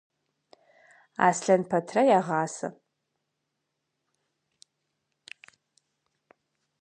Аслъэн пэтрэ ягъасэ.